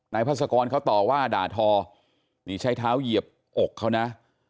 พัศกรเขาต่อว่าด่าทอนี่ใช้เท้าเหยียบอกเขานะ